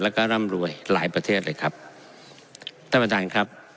แล้วก็ร่ำรวยหลายประเทศเลยครับท่านประธานครับ